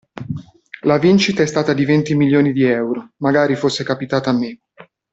La vincita è stata di venti milioni di euro, magari fosse capitato a me.